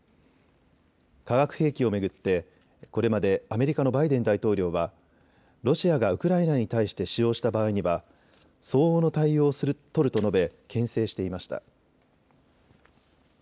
化学兵器を巡ってこれまでアメリカのバイデン大統領はロシアがウクライナに対して使用した場合には相応の対応取ると述べ、けん制していました。